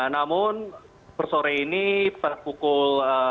namun persore ini pada pukul enam belas tiga puluh